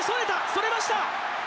それました！